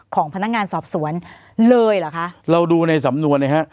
ของพนักงานสอบสวนเลยเหรอคะเราดูในสำนวนนะฮะ